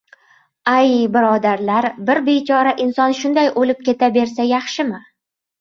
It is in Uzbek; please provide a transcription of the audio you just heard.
— Ay, birodarlar, bir bechora inson shunday o‘lib keta bersa yaxshimi?